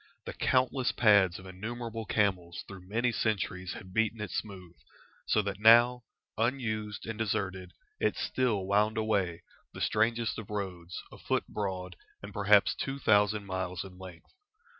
The countless pads of innumerable camels through many centuries had beaten it smooth, so that now, unused and deserted, it still wound away, the strangest of roads, a foot broad, and perhaps two thousand miles in length.